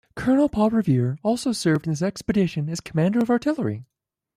Colonel Paul Revere also served in this expedition as commander of artillery.